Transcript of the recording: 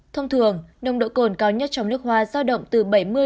thông thường nồng độ cồn cao nhất trong nước hoa giao động từ bảy mươi năm mươi